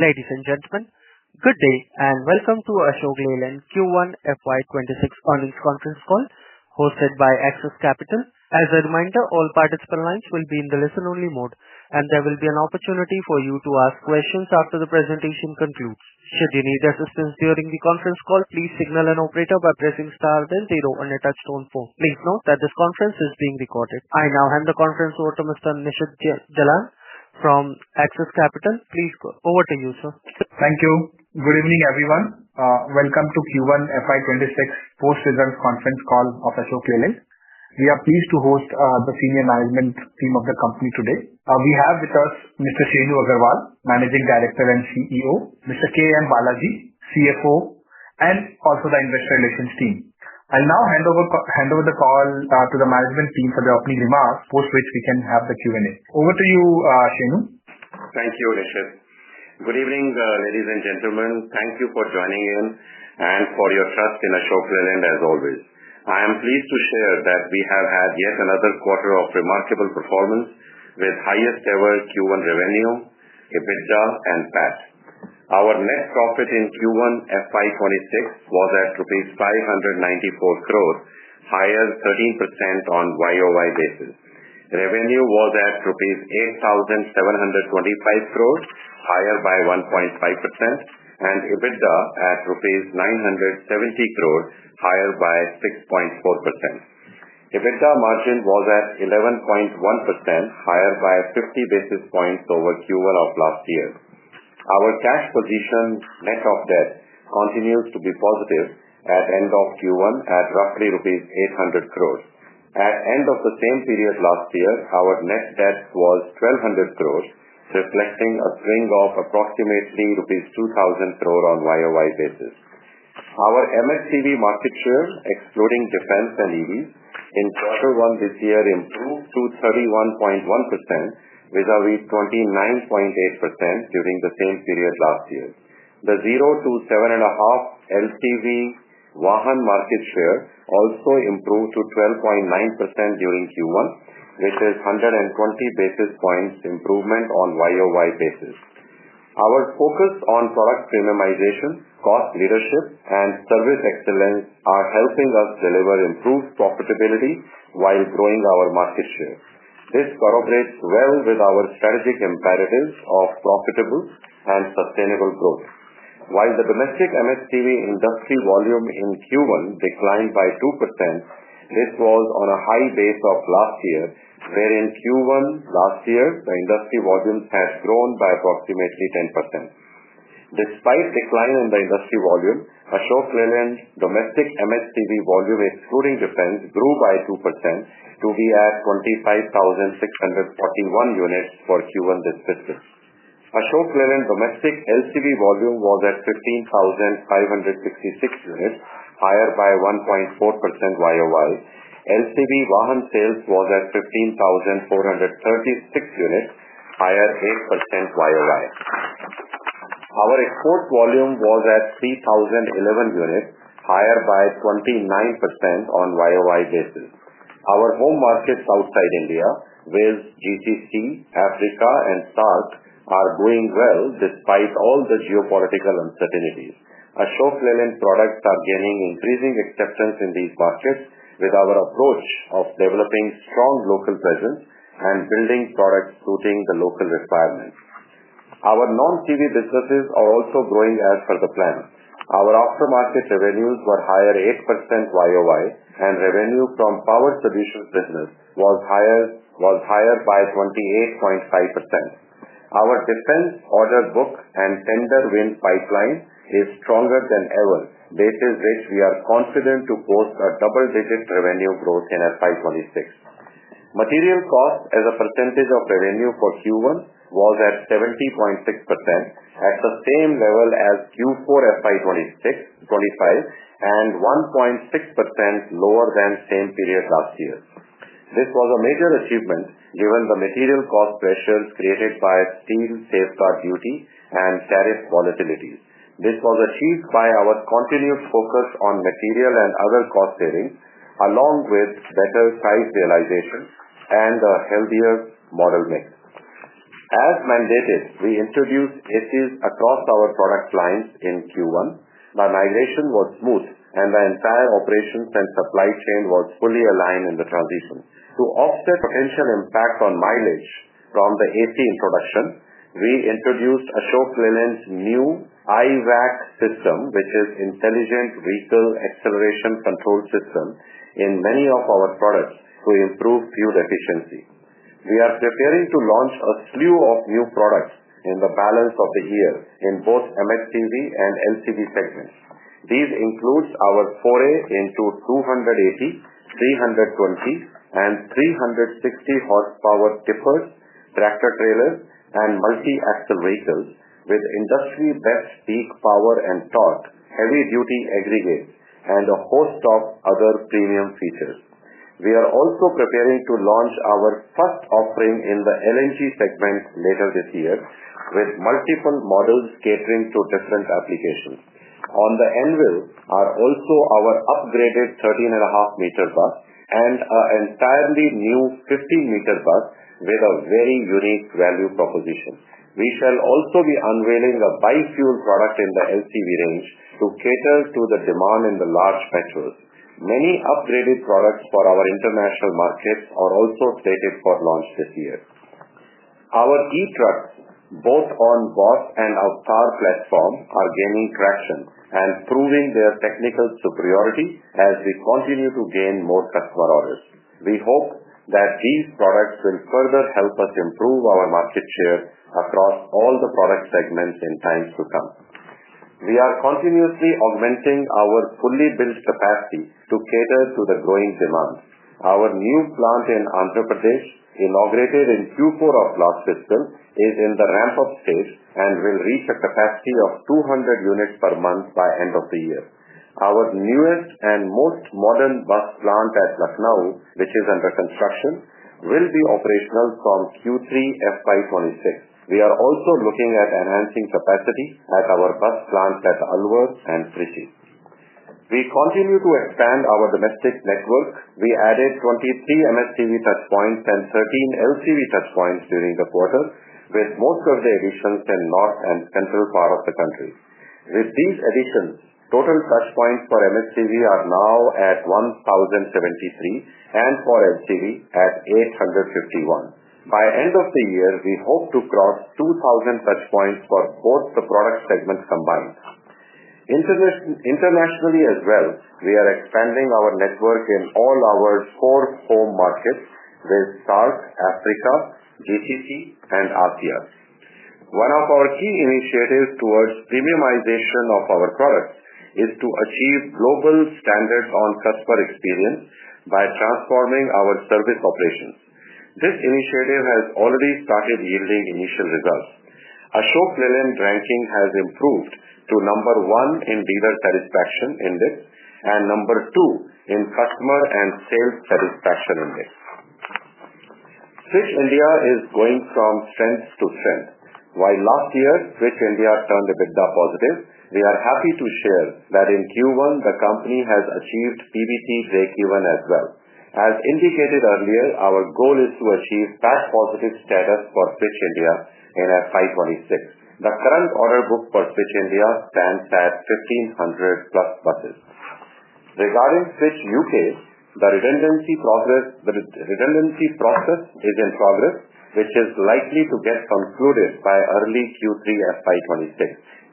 Ladies and gentlemen, good day and welcome to Ashok Leyland Q1 FY2026 earnings conference call hosted by Access Capital. As a reminder, all participant lines will be in the listen-only mode, and there will be an opportunity for you to ask questions after the presentation concludes. Should you need assistance during the conference call, please signal an operator by pressing star then zero on your touchtone phone. Please note that this conference is being recorded. I now hand the conference over to [Mr. Nishad Jalal] from Access Capital. Please go over to you, sir. Thank you. Good evening, everyone. Welcome to Q1 FY2026 Four Seasons Conference Call of Ashok Leyland. We are pleased to host the senior management team of the company today. We have with us Mr. Shenu Agarwal, Managing Director and CEO, Mr. K M Balaji, CFO, and also the Investor Relations team. I'll now hand over the call to the management team for their opening remarks, post which we can have the Q&A. Over to you, Shenu. Thank you, Nishad. Good evening, ladies and gentlemen. Thank you for joining in and for your trust in Ashok Leyland as always. I am pleased to share that we have had yet another quarter of remarkable performance with highest ever Q1 revenue, EBITDA, and PBT. Our net profit in Q1 FY2026 was at 594 crore, higher 13% on YoY basis. Revenue was at 8,725 crore, higher by 1.5%, and EBITDA at rupees 970 crore, higher by 6.4%. EBITDA margin was at 11.1%, higher by 50 basis points over Q1 of last year. Our cash position net of debt continues to be positive at the end of Q1 at roughly INR 800 crore. At the end of the same period last year, our net debt was 1,200 crore, reflecting a swing of approximately rupees 2,000 crore on YoY basis. Our MHCV market share, excluding defense and EVs, in Q1 this year improved to 31.1%, with a weak 29.8% during the same period last year. The 0 to 7.5 LCV Vahan market share also improved to 12.9% during Q1, which is 120 basis points improvement on YoY basis. Our focus on product premiumization, cost leadership, and service excellence are helping us deliver improved profitability while growing our market share. This corroborates well with our strategic imperatives of profitable and sustainable growth. While the domestic MHCV industry volume in Q1 declined by 2%, this was on a high base of last year, where in Q1 last year, the industry volume had grown by approximately 10%. Despite the decline in the industry volume, Ashok Leyland's domestic MHCV volume, excluding defense, grew by 2% to be at 25,641 units for Q1 this business. Ashok Leyland's domestic LCV volume was at 15,566 units, higher by 1.4% YoY. LCV Vahan sales was at 15,436 units, higher 8% YoY. Our export volume was at 3,011 units, higher by 29% on YoY basis. Our home markets outside India, with GCC, Africa, and South Asia, are going well despite all the geopolitical uncertainties. Ashok Leyland products are gaining increasing acceptance in these markets with our approach of developing strong local presence and building products suiting the local requirements. Our non-CV businesses are also growing as per the plan. Our aftermarket revenues were higher 8% YoY, and revenue from power solutions business was higher by 28.5%. Our defense order book and tender win pipeline is stronger than ever, due to which we are confident to post a double-digit revenue growth in FY2026. Material cost as a percentage of revenue for Q1 was at 70.6%, at the same level as Q4 FY2025, and 1.6% lower than the same period last year. This was a major achievement given the material cost pressures created by steel safeguard duty and tariff volatilities. This was achieved by our continued focus on material and other cost savings, along with better price realization and a healthier model mix. As mandated, we introduced ACs across our product lines in Q1. The migration was smooth, and the entire operations and supply chain was fully aligned in the transition. To offset potential impacts on mileage from the AC in production, we introduced Ashok Leyland's new IVAC system, which is the Intelligent Vehicle Acceleration Control System, in many of our products to improve fuel efficiency. We are preparing to launch a slew of new products in the balance of the year in both MHCV and LCV segments. These include our foray into 280, 320, and 360 horsepower tippers, tractor-trailers, and multi-axle vehicles with industry-best peak power and torque, heavy-duty aggregates, and a host of other premium features. We are also preparing to launch our first offering in the LNG segment later this year, with multiple models catering to different applications. On the anvil are also our upgraded 13.5-meter bus and an entirely new 15-meter bus with a very unique value proposition. We shall also be unveiling the bifuel product in the LCV range to cater to the demand in the large metros. Many upgraded products for our international markets are also slated for launch this year. Our e-trucks, both on BOSS and AVTR platform, are gaining traction and proving their technical superiority as we continue to gain more customer orders. We hope that these products will further help us improve our market share across all the product segments in times to come. We are continuously augmenting our fully built capacity to cater to the growing demand. Our new plant in Andhra Pradesh, inaugurated in Q4 of last fiscal, is in the ramp-up phase and will reach a capacity of 200 units per month by the end of the year. Our newest and most modern bus plant at Lanka, which is under construction, will be operational from Q3 FY2026. We are also looking at enhancing capacity at our bus plants at Alwar and Prithla. We continue to expand our domestic network. We added 23 MHCV touchpoints and 13 LCV touchpoints during the quarter, with most of the additions in the north and central part of the country. With these additions, total touchpoints for MHCV are now at 1,073 and for LCV at 851. By the end of the year, we hope to cross 2,000 touchpoints for both the product segments combined. Internationally as well, we are expanding our network in all our four home markets with South, Africa, GCC, and RTS. One of our key initiatives towards premiumization of our products is to achieve global standards on customer experience by transforming our service operations. This initiative has already started yielding initial results. Ashok Leyland's ranking has improved to number one in dealer satisfaction index and number two in customer and sales satisfaction index. Switch India is going from strength to trend. While last year, Switch India turned EBITDA positive, we are happy to share that in Q1, the company has achieved PBT break even as well. As indicated earlier, our goal is to achieve that positive status for Switch India in FY2026. The current order book for Switch India stands at 1,500+ buses. Regarding Switch UK, the redundancy process is in progress, which is likely to get concluded by early Q3 FY2026.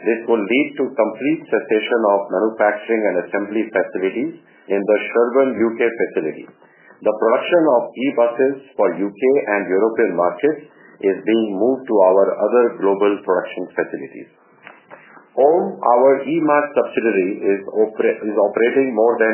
This will lead to complete cessation of manufacturing and assembly facilities in the Sherbourne U.K. facility. The production of e-buses for U.K. and European markets is being moved to our other global production facilities. Our OHM Global Mobility subsidiary is operating more than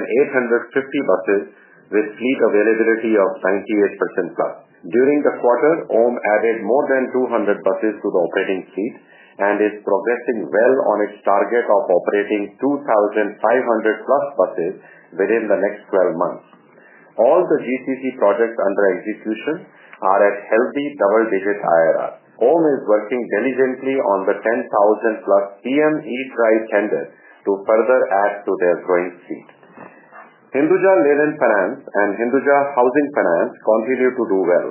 850 buses with fleet availability of 98%+. During the quarter, OHM added more than 200 buses to the operating fleet and is progressing well on its target of operating 2,500+ buses within the next 12 months. All the GCC projects under execution are at healthy double-digit IRR. OHM is working diligently on the 10,000+ PM E-Drive tender to further add to their growing fleet. Hinduja Leyland Finance and Hinduja Housing Finance continue to do well.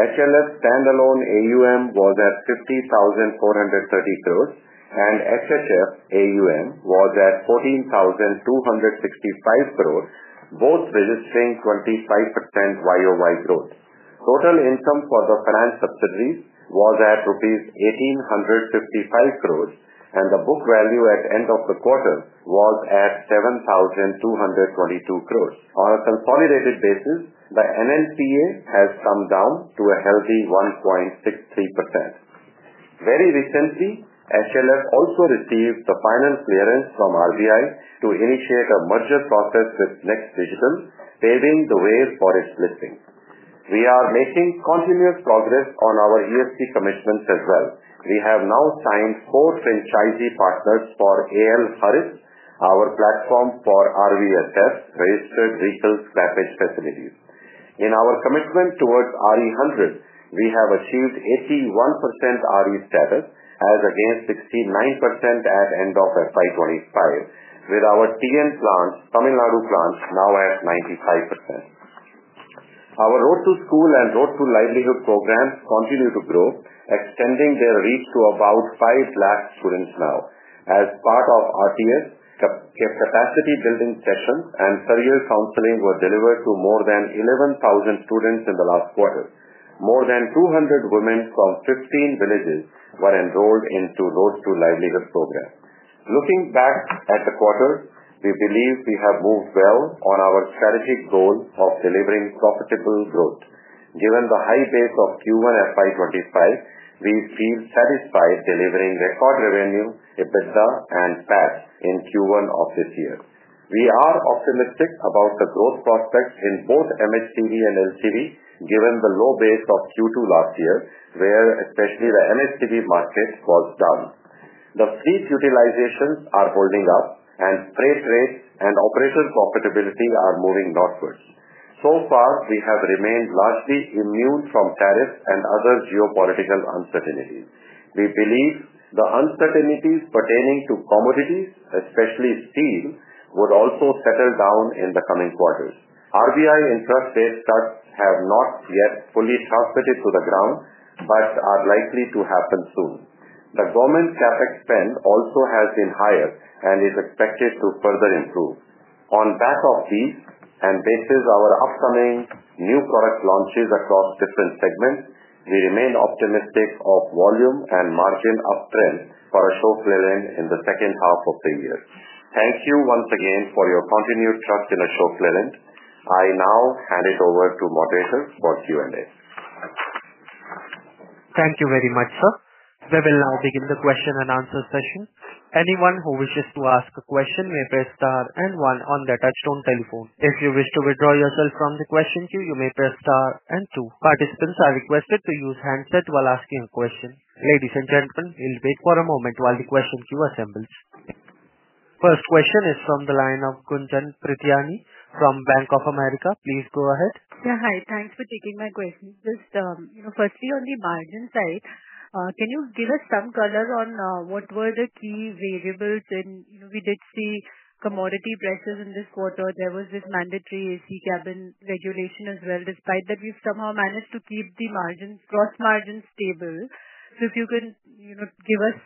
HLF standalone AUM was at 50,430 crore, and HSF AUM was at 14,265 crore, both registering 25% YoY growth. Total income for the finance subsidiaries was at INR 1,855 crore, and the book value at the end of the quarter was at 7,222 crore. On a consolidated basis, the NNCA has come down to a healthy 1.63%. Very recently, HLF also received the finance clearance from the Reserve Bank of India (RBI) to initiate a merger process with Next Digital, paving the way for its listing. We are making continuous progress on our ESG commitments as well. We have now signed four franchisee partners for AL Harris, our platform for RVSF-registered vehicle scrappage facilities. In our commitment towards RE100, we have achieved 81% RE status as against 69% at the end of FY2025, with our Tamil Nadu plant now at 95%. Our Road to School and Road to Livelihood programs continue to grow, extending their reach to about five lakh students now. As part of RTS, the capacity building sessions and career counseling were delivered to more than 11,000 students in the last quarter. More than 200 women from 15 villages were enrolled into the Road to Livelihood program. Looking back at the quarter, we believe we have moved well on our strategic goal of delivering profitable growth. Given the high base of Q1 FY2025, we've achieved satisfied delivering record revenue, EBITDA, and PBT in Q1 of this year. We are optimistic about the growth prospects in both MHCV and LCV, given the low base of Q2 last year, where especially the MHCV market was down. The fleet utilizations are holding up, and freight rates and operational profitability are moving northward. We have remained largely immune from tariffs and other geopolitical uncertainties. We believe the uncertainties pertaining to commodities, especially steel, would also settle down in the coming quarters. RBI interest-based stocks have not yet fully transmitted to the ground but are likely to happen soon. The government's CapEx spend also has been higher and is expected to further improve. On the back of these and based on our upcoming new product launches across different segments, we remain optimistic of volume and margin uptrend for Ashok Leyland in the second half of the year. Thank you once again for your continued trust in Ashok Leyland. I now hand it over to moderators for Q&A. Thank you very much, sir. We will now begin the question and answer session. Anyone who wishes to ask a question may press star and one on their touchtone telephone. If you wish to withdraw yourself from the question queue, you may press star and two. Participants are requested to use handsets while asking a question. Ladies and gentlemen, we'll wait for a moment while the question queue assembles. First question is from the line of Gunjan Prithyani from Bank of America. Please go ahead. Yeah, hi. Thanks for taking my question. Firstly, on the margin side, can you give us some colors on what were the key variables? We did see commodity prices in this quarter. There was this mandatory AC cabin regulation as well. Despite that, we've somehow managed to keep the margins, gross margins stable. If you can, give us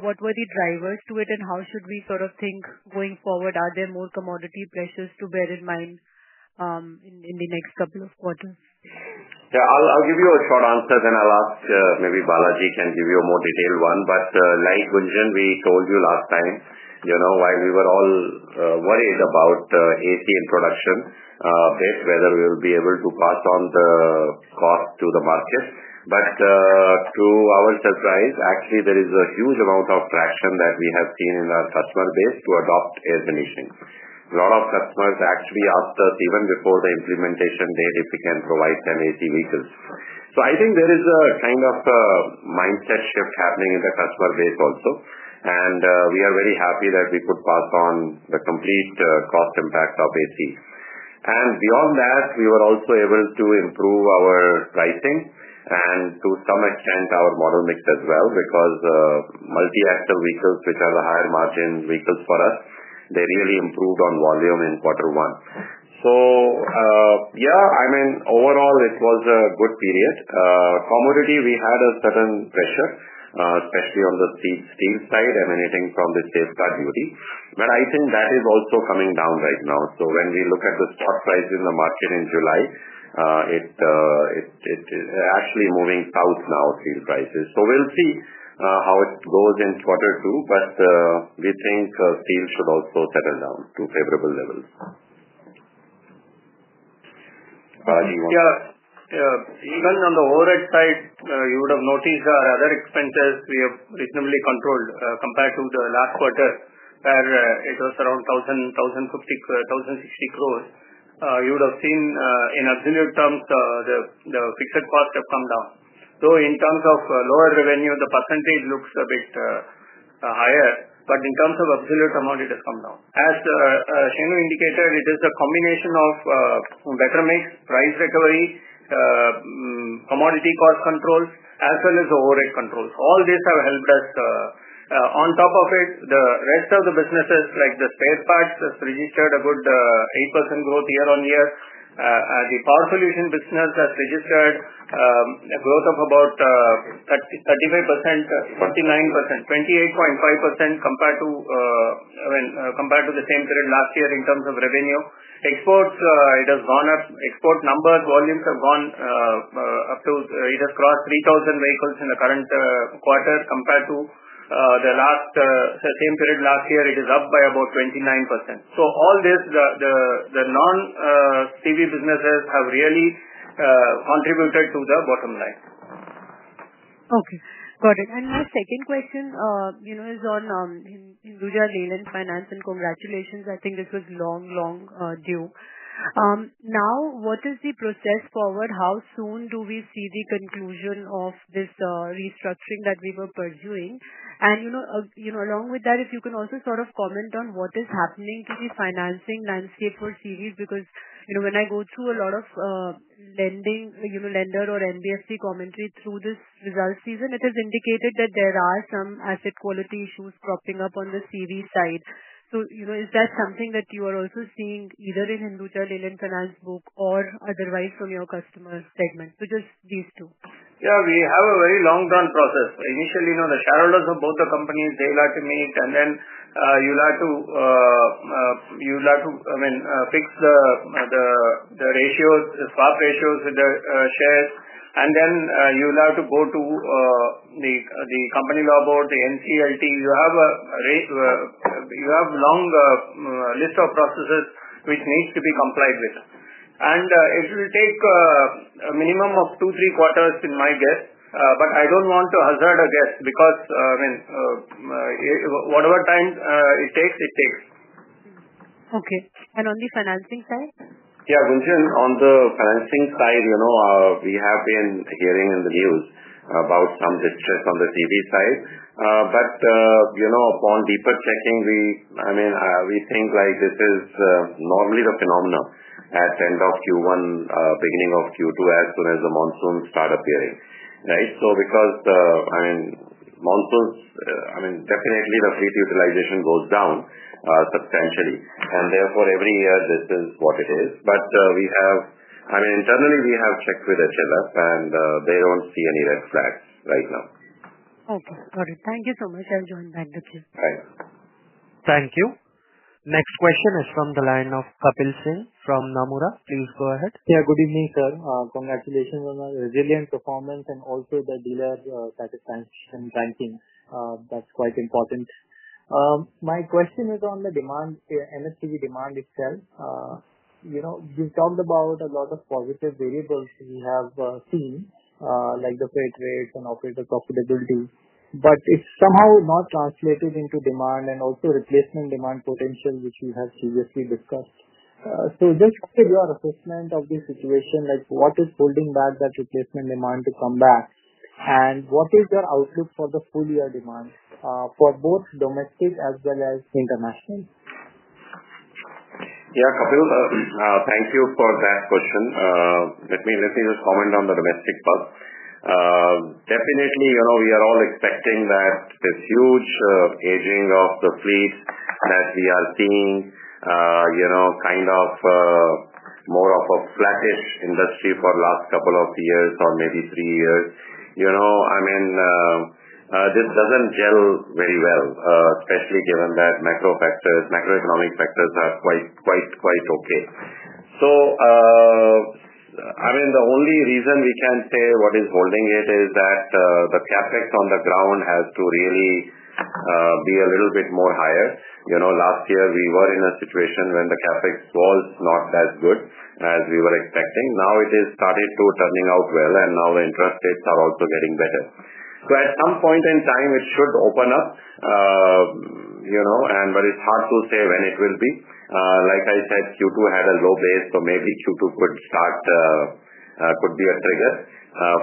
what were the drivers to it and how should we sort of think going forward? Are there more commodity prices to bear in mind in the next couple of quarters? Yeah, I'll give you a short answer, then I'll ask maybe Balaji can give you a more detailed one. Like Gunjan, we told you last time, you know, while we were all worried about the AC introduction, whether we will be able to pass on the cost to the market. To our surprise, actually, there is a huge amount of traction that we have seen in our customer base to adopt air conditioning. A lot of customers actually asked us even before the implementation date if we can provide 1080 vehicles. I think there is a kind of a mindset shift happening in the customer base also. We are very happy that we could pass on the complete cost impact of AC. Beyond that, we were also able to improve our pricing and, to some extent, our model mix as well because multi-axle vehicles, which are the higher margin vehicles for us, really improved on volume in quarter one. Overall, it was a good period. Commodity, we had a certain pressure, especially on the steel side emanating from the safeguard duty. I think that is also coming down right now. When we look at the stock price in the market in July, it is actually moving south now, steel prices. We'll see how it goes in quarter two. We think steel should also settle down to favorable levels. Yeah. Going on the overhead side, you would have noticed our other expenses we have reasonably controlled, compared to the last quarter where it was around 1,000, 1,050 crore. You would have seen, in absolute terms, the fixed costs have come down. In terms of lower revenue, the percentage looks a bit higher, but in terms of absolute amount, it has come down. As Shenu indicated, it is the combination of better mix, price recovery, commodity cost controls, as well as overhead controls. All this has helped us. On top of it, the rest of the businesses, like the spare parts, have registered a good 8% growth year on year. The power solution business has registered a growth of about 30%, 35%, 49%, 28.5% compared to the same period last year in terms of revenue. Exports have gone up. Export numbers, volumes have gone up to, it has crossed 3,000 vehicles in the current quarter. Compared to the same period last year, it is up by about 29%. All this, the non-CV businesses have really contributed to the bottom line. Okay. Got it. My second question is on Hinduja Leyland Finance, and congratulations. I think this was long, long due. What is the process forward? How soon do we see the conclusion of this restructuring that we were pursuing? If you can also sort of comment on what is happening to the financing landscape for CVs because when I go through a lot of lending, lender or NBFC commentary through this results season, it has indicated that there are some asset quality issues cropping up on the CV side. Is that something that you are also seeing either in Hinduja Leyland Finance's book or otherwise from your customer segment? Just these two. Yeah, we have a very long-term process. Initially, you know, the shareholders of both the companies, they like to meet. You like to, I mean, fix the ratios, the swap ratios with the shares. You allow to go to the company logboard, the NCLT. You have a long list of processes which need to be complied with. It will take a minimum of two, three quarters, in my guess. I don't want to hazard a guess because, I mean, whatever time it takes, it takes. Okay, on the financing side? Yeah, Gunjan, on the financing side, you know, we have been hearing in the news about some distress on the CV side. However, upon deeper checking, we think this is normally the phenomenon at the end of Q1, beginning of Q2, as well as when the monsoon starts appearing, right? Because, I mean, monsoons definitely, the fleet utilization goes down substantially. Therefore, every year, this is what it is. We have internally checked with Hinduja Leyland Finance, and they don't see any red flags right now. Okay, got it. Thank you so much. I'll join back to the queue. Yeah. Thank you. Next question is from the line of Kapil Singh from Nomura. Please go ahead. Yeah, good evening, sir. Congratulations on the resilient performance and also the dealer satisfaction ranking. That's quite important. My question is on the demand, MHCV demand itself. You know, we've talked about a lot of positive variables we have seen, like the freight rates and operator profitability. It's somehow not translated into demand and also replacement demand potential, which we have previously discussed. Just to get your assessment of the situation, what is holding back that replacement demand to come back? What is your outlook for the full-year demand, for both domestic as well as international? Yeah, Kapil, thank you for that question. Let me just comment on the domestic part. Definitely, you know, we are all expecting that this huge aging of the fleet that we are seeing, you know, kind of more of a flatish industry for the last couple of years or maybe three years. I mean, this doesn't gel very well, especially given that macro factors, macroeconomic factors are quite, quite okay. I mean, the only reason we can say what is holding it is that the CapEx on the ground has to really be a little bit more higher. Last year, we were in a situation when the CapEx was not that good as we were expecting. Now it has started turning out well, and now the interest rates are also getting better. At some point in time, it should open up, you know, but it's hard to say when it will be. Like I said, Q2 had a low base, so maybe Q2 could be a trigger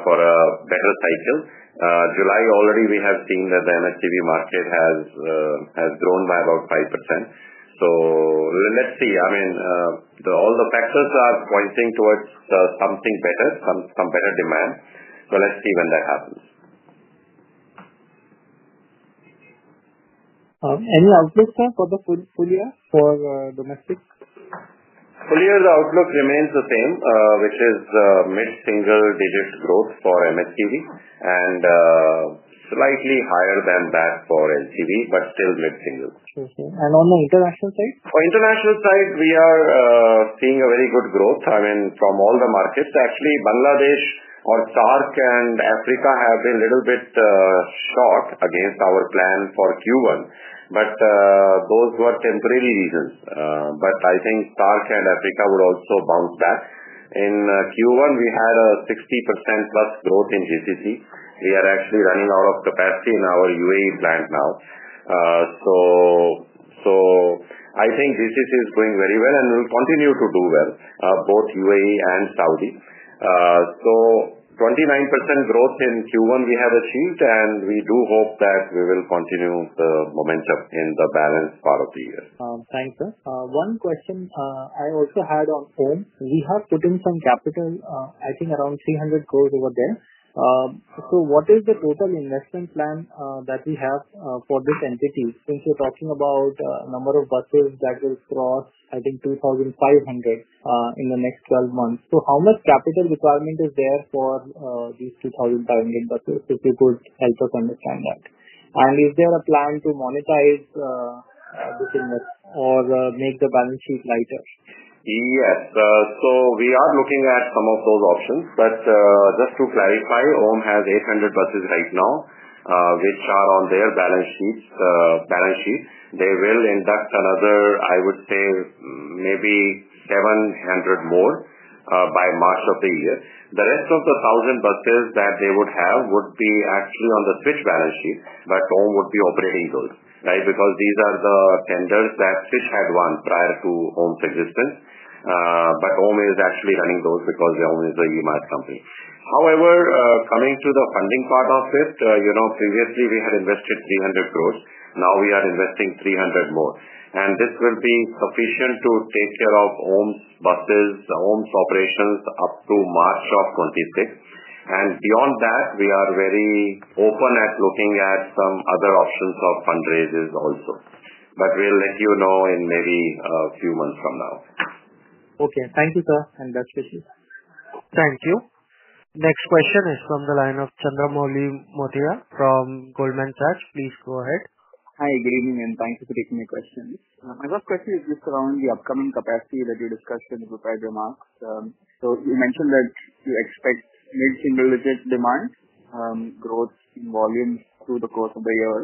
for a better cycle. July already, we have seen that the MHCV market has grown by about 5%. Let's see. All the factors are pointing towards something better, some better demand. Let's see when that happens. is the outlook, sir, for the full year for domestic? Full-year, the outlook remains the same, which is mid-single-digit growth for MHCV and slightly higher than that for LCV, but still mid-single. Okay. On the international side? For the international side, we are seeing a very good growth. I mean, from all the markets, actually, Bangladesh or SAARC and Africa have been a little bit shocked against our plan for Q1. Those were temporary reasons. I think SAARC and Africa would also bounce back. In Q1, we had a 60%+ growth in GCC. We are actually running out of capacity in our UAE plant now. I think GCC is going very well and will continue to do well, both UAE and Saudi. 29% growth in Q1 we have achieved, and we do hope that we will continue the momentum in the balanced part of the year. Thanks, sir. One question I also had on OHM. We have put in some capital, I think around 300 crore over there. What is the total investment plan that we have for these entities? We're talking about a number of buses that will cross, I think, 2,500 buses in the next 12 months. How much capital requirement is there for these 2,500 buses if you could help us understand that? Is there a plan to monetize this investment or make the balance sheet lighter? Yes, we are looking at some of those options. Just to clarify, OHM has 800 buses right now, which are on their balance sheet. They will induct another, I would say, maybe 700 more by March of the year. The rest of the 1,000 buses that they would have would actually be on the Switch India balance sheet, but OHM would be operating those, right, because these are the tenders that Switch India had won prior to OHM's existence. However, OHM is actually running those because OHM is an EMAS company. Coming to the funding part of this, previously, we had invested 300 crore. Now we are investing 300 crore more. This will be sufficient to take care of OHM's buses and OHM's operations up to March of 2026. Beyond that, we are very open to looking at some other options of fundraisers also. We'll let you know in maybe a few months from now. Okay, thank you, sir. That's it. Thank you. Next question is from the line of Chandramouli Muthiah from Goldman Sachs. Please go ahead. Hi. Good evening, and thank you for taking my questions. I have questions just around the upcoming capacity that you discussed in the prepared remarks. You mentioned that you expect mid-single-digit demand, growth in volume through the course of the year.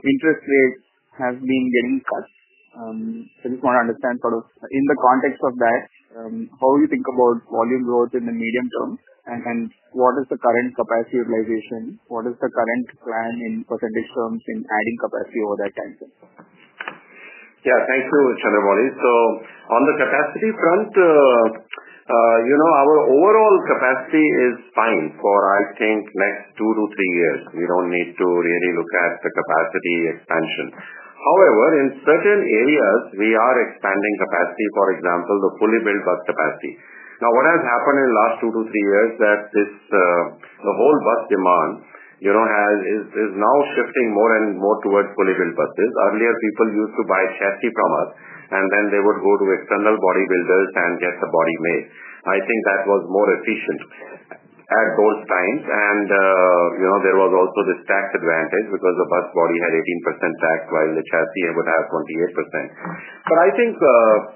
Interest rates have been getting fussy. I just want to understand, in the context of that, how do you think about volume growth in the medium term? What is the current capacity utilization? What is the current plan in percentage terms in adding capacity over that time? Yeah, thanks so much, Chandramouli. On the capacity front, our overall capacity is fine for, I think, the next two to three years. We don't need to really look at the capacity expansion. However, in certain areas, we are expanding capacity. For example, the fully built bus capacity. What has happened in the last two to three years is that the whole bus demand is now shifting more and more towards fully built buses. Earlier, people used to buy chassis from us, and then they would go to external bodybuilders and get a body made. I think that was more efficient at those times. There was also this tax advantage because the bus body had 18% tax while the chassis would have 28%. I think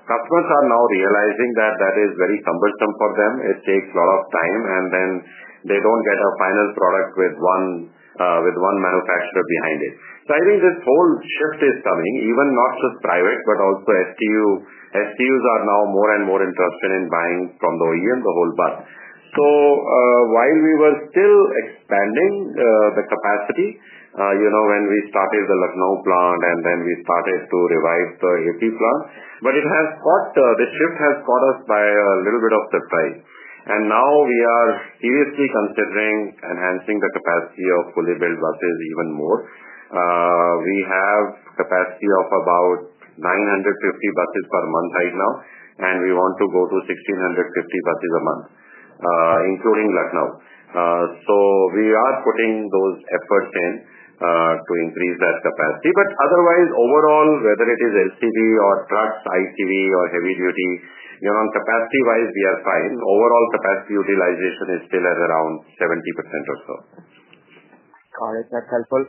customers are now realizing that that is very cumbersome for them. It takes a lot of time, and then they don't get a final product with one manufacturer behind it. I think this whole shift is coming, not just private, but also STU. STUs are now more and more interested in buying from the OEM the whole bus. While we were still expanding the capacity, when we started the Lanka plant, and then we started to revive the Hippy plant, the shift has caught us by a little bit of surprise. Now we are seriously considering enhancing the capacity of fully built buses even more. We have a capacity of about 950 buses per month right now, and we want to go to 1,650 buses a month, including Lanka. We are putting those efforts in to increase that capacity. Otherwise, overall, whether it is LCV or trucks, ICV, or heavy-duty, capacity-wise, we are fine. Overall, capacity utilization is still at around 70% or so. Got it. That's helpful.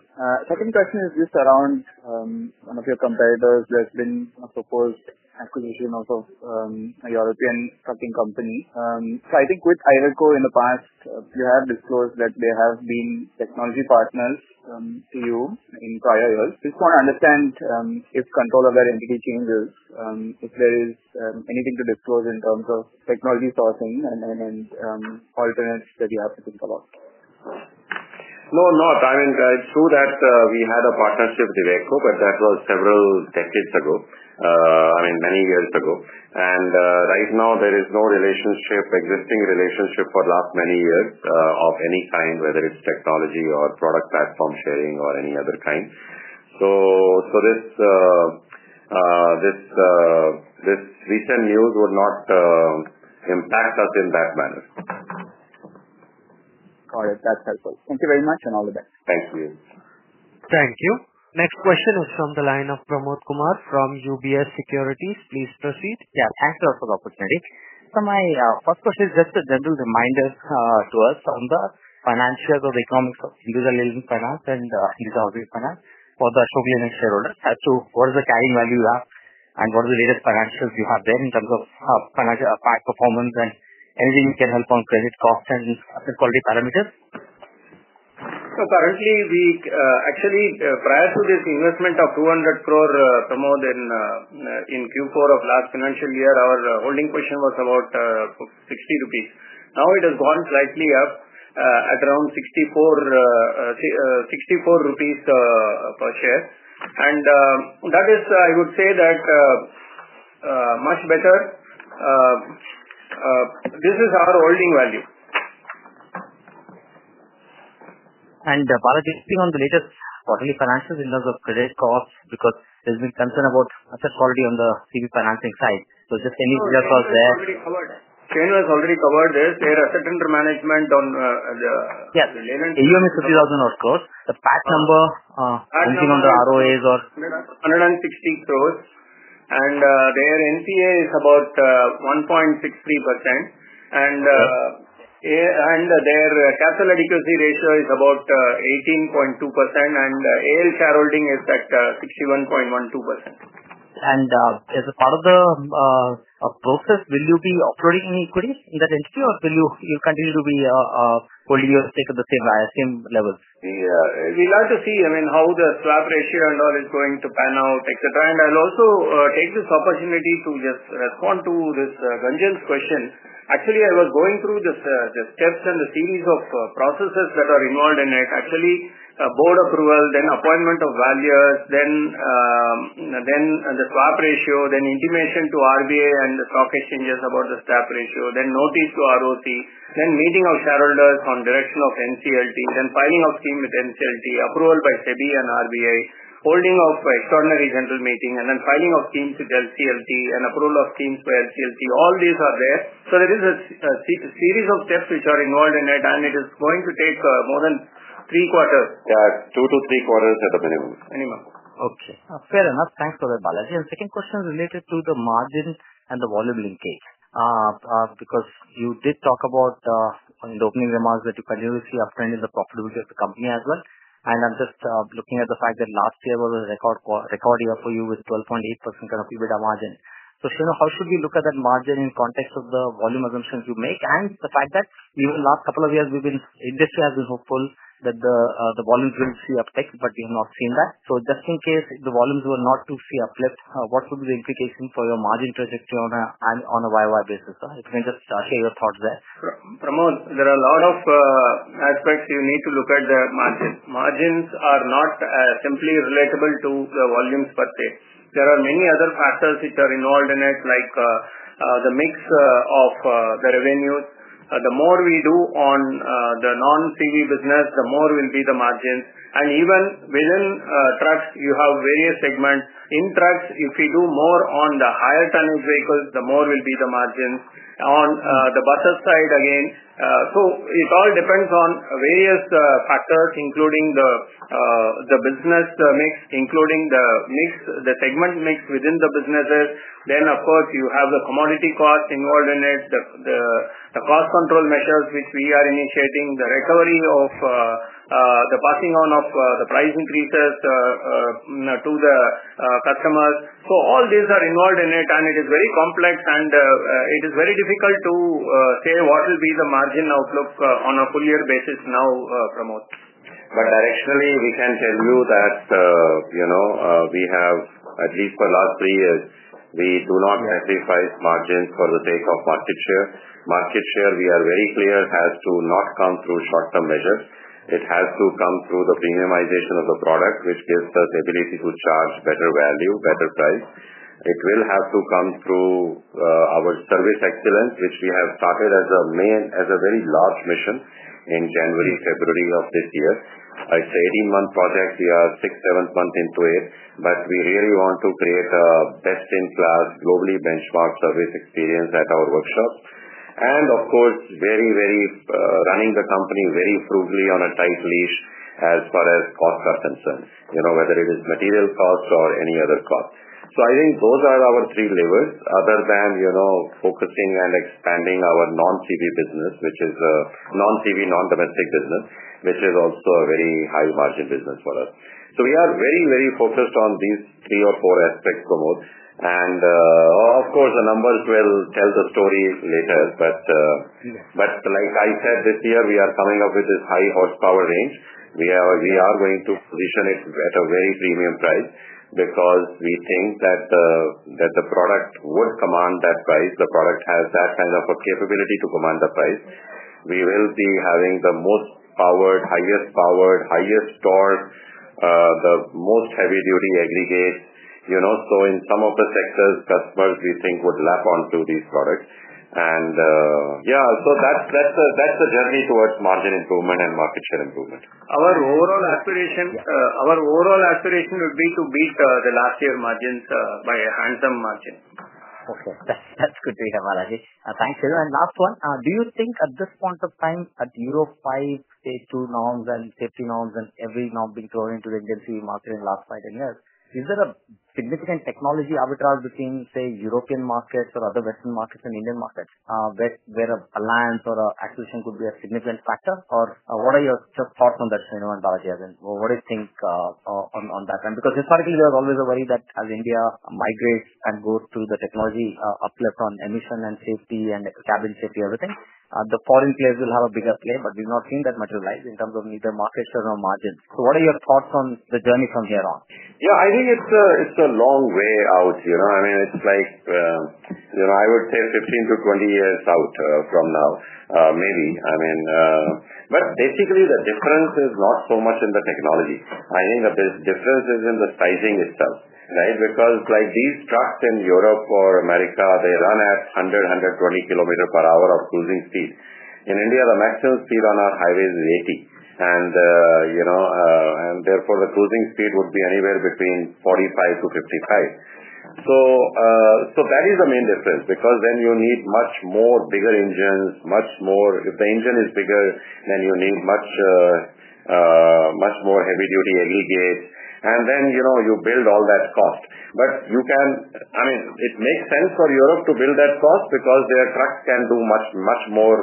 Second question is just around one of your competitors who has been proposed acquisition of a European trucking company. I think with Iveco in the past, you have disclosed that they have been technology partners to you in prior years. Just want to understand if control of that entity changes, if there is anything to disclose in terms of technology sourcing and alternates that you have to think about. No, not. I'm sure that we had a partnership with Iveco, but that was several decades ago, many years ago. Right now, there is no existing relationship for the last many years of any kind, whether it's technology or product platform sharing or any other kind. This recent news would not impact us in that manner. Got it. That's helpful. Thank you very much and all the best. Thank you. Thank you. Next question is from the line of Pramod Kumar from UBS Securities. Please proceed. Yeah, thanks a lot for the opportunity. My first question is just a general reminder to us on the financial or the economics of Hinduja Leyland Finance and Hinduja Housing Finance for the equivalent shareholders. As to what is the carrying value you have and what are the latest financials you have there in terms of financial performance and anything you can help on credit cost and quality parameters? Currently, prior to this investment of INR 200 crore, Pramod, in Q4 of last financial year, our holding position was about 60 rupees. Now it has gone slightly up, at around 64 per share. That is, I would say, much better. This is our holding value. Balaji, anything on the latest quarterly financials in terms of credit costs? There's been concern about asset quality on the CV financing side. Just any clear costs there. We covered. Shenu has already covered this. Their assets under management on the Ashok Leyland AUM is 50,000 crore. The PAX number, anything on the ROAs or INR 160 crores. Their NNCA is about 1.63%. Their capital adequacy ratio is about 18.2%. AL shareholding is at 61.12%. As a part of the process, will you be operating in equity in that entity, or will you continue to be holding your stake at the same levels? We like to see, I mean, how the swap ratio and all is going to pan out, etc. I'll also take this opportunity to just respond to this, Gunjan's question. Actually, I was going through this, just steps and the series of processes that are involved in it. Actually, a board approval, then appointment of valuers, then the swap ratio, then intimation to RBI and the stock exchanges about the swap ratio, then notice to ROC, then meeting of shareholders on direction of NCLT, then filing of scheme with NCLT, approval by SEBI and RBI, holding of extraordinary general meeting, and then filing of schemes with NCLT, and approval of schemes by NCLT. All these are there. There is a series of steps which are involved in it, and it is going to take more than three quarters. Yeah, two to three quarters at a minimum. Minimum. Okay. Fair enough. Thanks for that, Balaji. Second question is related to the margin and the volume linkage. You did talk about, in the opening remarks, that you can generally see uptrend in the profitability of the company as well. I'm just looking at the fact that last year was a record year for you with 12.8% kind of EBITDA margin. Just to know, how should we look at that margin in context of the volume assumptions you make and the fact that even the last couple of years the industry has been hopeful that the volumes will see uptick, but we have not seen that. Just in case the volumes were not to see uplift, what would be the implication for your margin prediction on a YoY basis? If you can just share your thoughts there. Pramod, there are a lot of aspects you need to look at the margin. Margins are not simply relatable to the volumes per day. There are many other factors which are involved in it, like the mix of the revenues. The more we do on the non-CV business, the more will be the margins. Even within trucks, you have various segments. In trucks, if we do more on the higher tonnage vehicles, the more will be the margins. On the buses' side again, it all depends on various factors, including the business mix, including the mix, the segment mix within the businesses. Of course, you have the commodity costs involved in it, the cost control measures which we are initiating, the recovery of the passing on of the price increases to the customers. All these are involved in it, and it is very complex, and it is very difficult to say what will be the margin outlook on a full-year basis now, Pramod. Directionally, we can tell you that, you know, we have at least for the last three years, we do not sacrifice margins for the sake of market share. Market share, we are very clear, has to not come through short-term measures. It has to come through the premiumization of the product, which gives us the ability to charge better value, better price. It will have to come through our service excellence, which we have started as a very large mission in January, February of this year. I say 18-month project. We are six, seven months into it, but we really want to create a best-in-class, globally benchmarked service experience at our workshop. Of course, running the company very frugally on a tight leash as far as cost circumstance, you know, whether it is material costs or any other costs. I think those are our three levers other than, you know, focusing and expanding our non-CV business, which is a non-CV, non-domestic business, which is also a very high-margin business for us. We are very, very focused on these three or four aspects, Pramod. Of course, the numbers will tell the stories later. Like I said, this year, we are coming up with this high-horsepower range. We are going to position it at a very premium price because we think that the product would command that price. The product has that kind of a capability to command the price. We will be having the most powered, highest powered, highest torque, the most heavy-duty aggregates. In some of the sectors, customers, we think, would lap onto these products. That's a journey towards margin improvement and market share improvement. Our overall aspiration, our overall aspiration would be to beat the last year's margins by a handsome margin. Okay. That's good to hear, Balaji. Thanks, Shenu. Last one, do you think at this point of time at Euro 5, stage 2 norms and safety norms and every norm being thrown into the agency market in the last 5-10 years, is there a significant technology arbitrage between, say, European markets or other Western markets and Indian markets where a balance or an acquisition could be a significant factor? What are your thoughts on that, Shenu and Balaji? What do you think on that? It's not as if there's always a worry that as India migrates and goes through the technology uplift on emission and safety and cabin safety, everything, the foreign players will have a bigger play, but we're not seeing that much of a rise in terms of neither market share nor margins. What are your thoughts on the journey from here on? Yeah, I think it's a long way out. I mean, I would say 15 to 20 years out from now, maybe. Basically, the difference is not so much in the technology. I think that this difference is in the sizing itself, right? Because these trucks in Europe or America run at 100, 120 kilometers per hour of cruising speed. In India, the maximum speed on our highways is 80, and therefore, the cruising speed would be anywhere between 45 to 55. That is the main difference because then you need much bigger engines, much more. If the engine is bigger, then you need much, much more heavy-duty aggregates, and then you build all that cost. It makes sense for Europe to build that cost because their trucks can do much more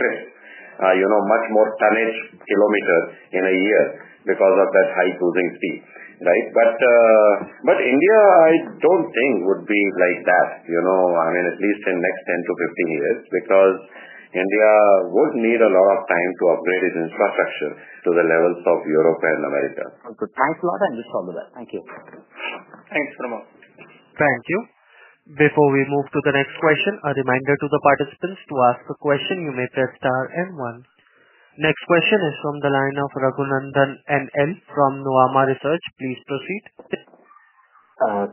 trips, much more tonnage kilometers in a year because of that high cruising speed, right? India, I don't think, would be like that, at least in the next 10-15 years because India would need a lot of time to upgrade its infrastructure to the levels of Europe and America. Good. Thanks a lot, and we'll follow that. Thank you. Thanks, Pramod. Thank you. Before we move to the next question, a reminder to the participants to ask a question. You may press star and one. Next question is from the line of Raghunandhan NL from Nuvama Research. Please proceed.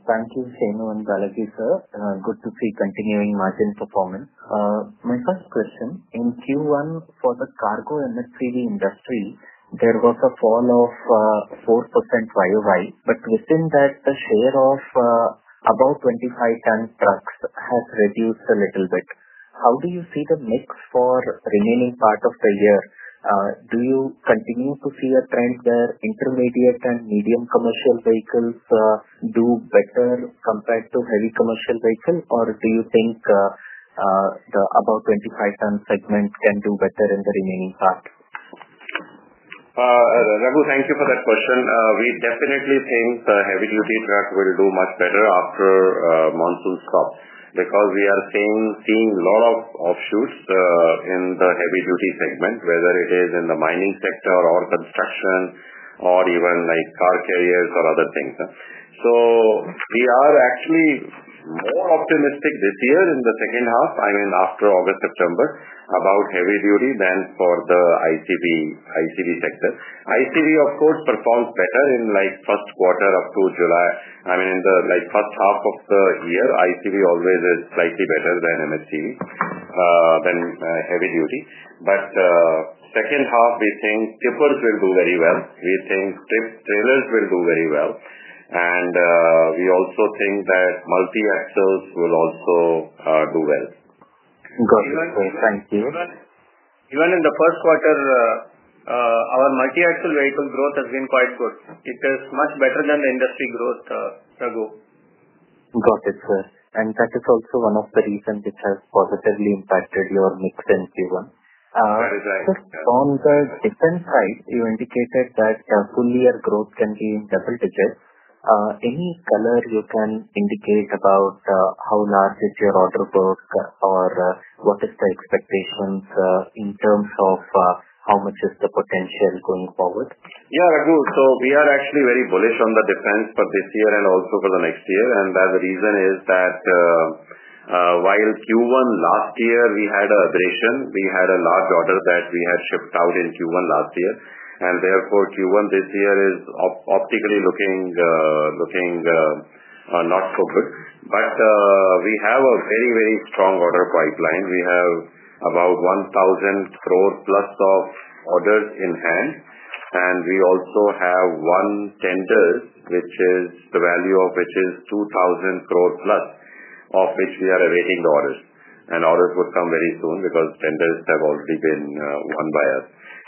Thank you, Shenu and Balaji, sir. Good to see continuing margin performance. My first question, in Q1 for the cargo and the 3D industry, there was a fall of 4% YoY. Within that, the share of about 25 ton trucks has reduced a little bit. How do you see the mix for the remaining part of the year? Do you continue to see a trend where intermediate and medium commercial vehicles do better compared to heavy commercial vehicles? Do you think the about 25 ton segments can do better in the remaining part? Raghu, thank you for that question. We definitely think the heavy-duty trucks will do much better after monsoon storms because we are seeing a lot of offshoots in the heavy-duty segment, whether it is in the mining sector, construction, or even like car carriers or other things. We are actually more optimistic this year in the second half, I mean, after August, September, about heavy-duty than for the ICV sector. ICV, of course, performed better in the first quarter up to July. In the first half of the year, ICV always did slightly better than MHCV, than heavy-duty. The second half, we think skippers will do very well. We think trailers will do very well. We also think that multi-axles will also do well. Got it. Cool. Thank you. Even in the first quarter, our multi-axle vehicle growth has been quite good. It is much better than the industry growth, Ragu. Got it. Cool. That is also one of the reasons which has positively impacted your mix in Q1. That is right. On the defense side, you indicated that a full-year growth can be in double digits. Any color you can indicate about how large is your order book, or what is the expectations in terms of how much is the potential going forward? Yeah, Ragu. We are actually very bullish on the defense for this year and also for the next year. The reason is that while Q1 last year, we had a large order that we had shipped out in Q1 last year. Therefore, Q1 this year is optically looking not so good. We have a very, very strong order pipeline. We have about 1,000 crore+ of orders in hand. We also have one tender, the value of which is 2,000 crore+, for which we are awaiting the orders. Orders will come very soon because tenders have already been won by us.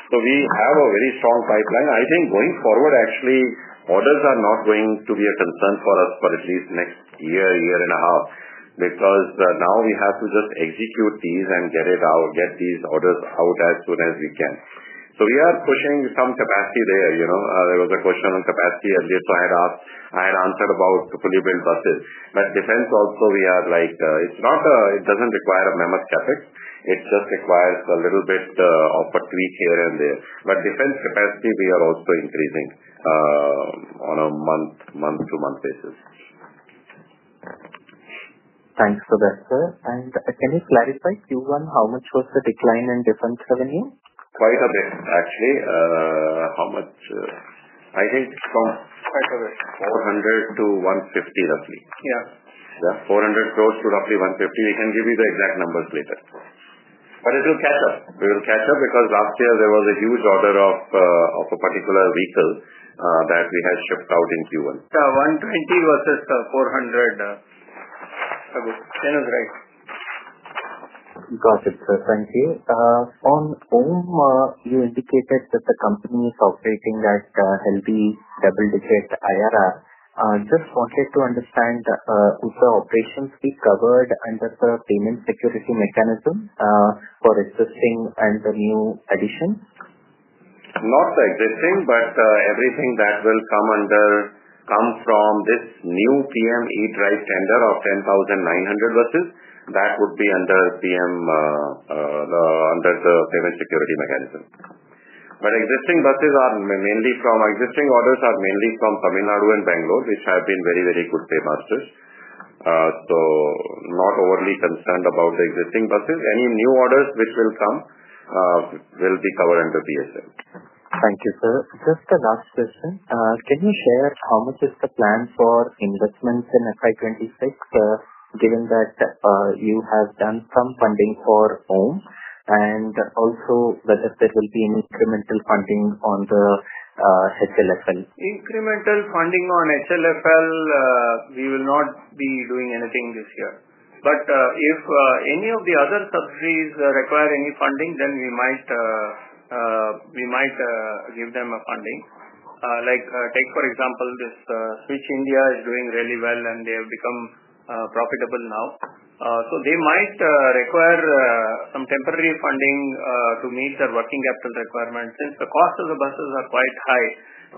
We have a very strong pipeline. I think going forward, orders are not going to be a concern for us for at least next year, year and a half because now we have to just execute these and get these orders out as soon as we can. We are pushing some capacity there. There was a question on capacity earlier, so I had answered about fully built buses. Defense also, it does not require a mammoth CapEx. It just requires a little bit of a tweak here and there. Defense capacity, we are also increasing on a month-to-month basis. Thank you for that, sir. Can you clarify Q1, how much was the decline in defense revenue? Quite a bit, actually. How much? I think. How much? 400 to 150, roughly. Yeah. Yeah, 400 crore to roughly 150 crore. We can give you the exact numbers later. It will catch up. It will catch up because last year there was a huge order of a particular vehicle that we had shipped out in Q1. Yeah, 120 versus the 400. Shenu is right. Got it, sir. Thank you. On OHM, you indicated that the company is operating at a healthy double-digit IRR. Just wanted to understand, will the operations be covered under the payment security mechanism, for existing and the new addition? Not the existing, but everything that will come from this new PM E-Drive tender of 10,900 buses, that would be under PM, under the payment security mechanism. Existing buses are mainly from existing orders, mainly from Tamil Nadu and Bangalore, which have been very, very good pay buses. Not overly concerned about the existing buses. Any new orders which will come will be covered under PSM. Thank you, sir. Just a last question. Can you share how much is the plan for investments in FY 2025, given that you have done some funding for OHM and also whether there will be an incremental funding on the Hinduja Leyland Finance? Incremental funding on HLFL, we will not be doing anything this year. If any of the other subsidiaries require any funding, then we might give them funding. For example, Switch India is doing really well, and they have become profitable now. They might require some temporary funding to meet their working capital requirements since the cost of the buses is quite high.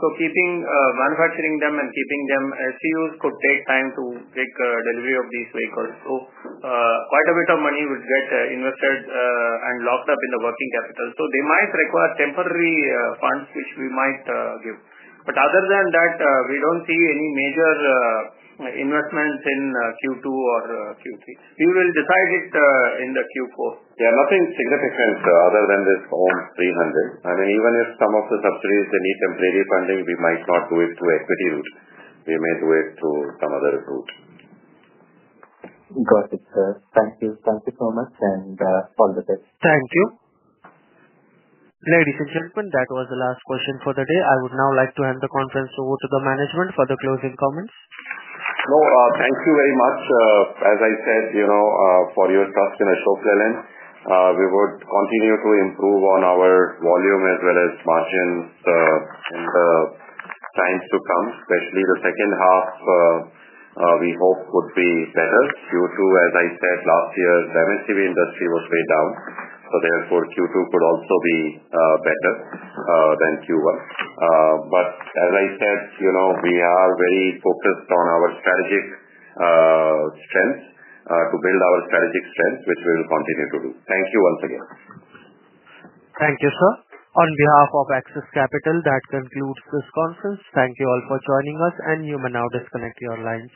Keeping manufacturing them and keeping them as STUs could take time to take delivery of these vehicles. Quite a bit of money would get invested and locked up in the working capital. They might require temporary funds, which we might give. Other than that, we don't see any major investments in Q2 or Q3. We will decide it in Q4. Yeah, nothing significant, sir, other than this OHM 300. Even if some of the subsidiaries, they need temporary funding, we might not do it through equity route. We may do it through some other route. Got it, sir. Thank you. Thank you so much, and all the best. Thank you. Ladies and gentlemen, that was the last question for the day. I would now like to hand the conference over to the management for the closing comments. No, thank you very much. As I said, for your trust in Ashok Leyland, we would continue to improve on our volume as well as margins in the times to come. Especially the second half, we hope would be better. Q2, as I said, last year's MHCV industry was way down. Therefore, Q2 could also be better than Q1. As I said, we are very focused on our strategic strengths, to build our strategic strength, which we will continue to do. Thank you once again. Thank you, sir. On behalf of Access Capital, that concludes this conference. Thankyou all for joining us, and you may now disconnect your lines.